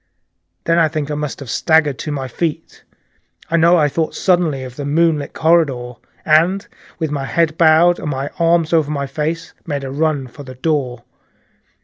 Then I think I must have staggered to my feet. I know I thought suddenly of the moonlit corridor, and with my head bowed and my arms over my face, made a stumbling run for the door.